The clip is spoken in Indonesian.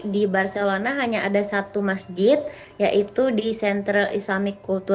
di barcelona hanya ada satu masjid yaitu di central islamic culture